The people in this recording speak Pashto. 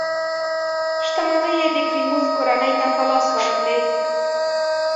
شتمنۍ یې د کریموف کورنۍ ته په لاس ورغلې.